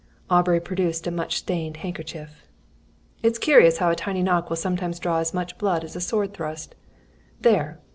Aubrey produced a much stained handkerchief. "It is curious how a tiny knock will sometimes draw as much blood as a sword thrust. There!